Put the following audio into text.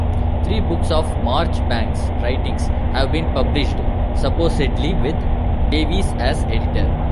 Three books of Marchbanks' writings have been published, supposedly with Davies as editor.